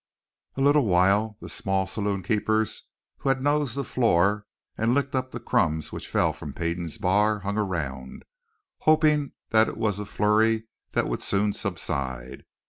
A little while the small saloon keepers who had nosed the floor and licked up the crumbs which fell from Peden's bar hung around, hoping that it was a flurry that would soon subside.